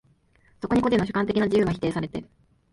そこに個人の主観的な自由は否定されて、